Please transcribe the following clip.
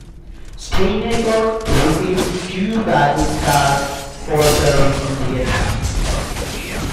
"Steinaker" received two battle stars for service in Vietnam.